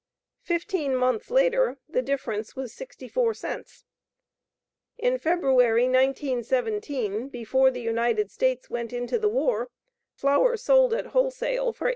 Fifteen months later the difference was 64 cents. In February, 1917, before the United States went into the war, flour sold at wholesale for $8.